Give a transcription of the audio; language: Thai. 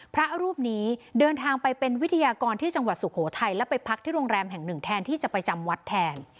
พระรูปนี้เดินทางไปเป็นวิทยากรที่จังหวัดสุโขทัยแล้วไปพักที่โรงแรมแห่งหนึ่งแทนที่จะไปจำวัดแทน